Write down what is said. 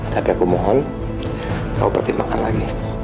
tapi aku mohon kamu pertimbangkan lagi